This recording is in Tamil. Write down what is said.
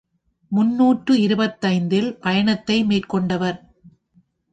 முன்னூற்று இருபத்தைந்து இல் பயணத்தை மேற் கொண்டவர்.